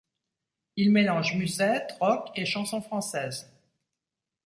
Ils mélangent musette, rock et chanson française.